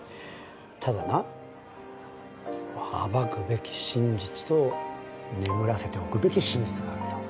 ただな暴くべき真実と眠らせておくべき真実があるんだわ。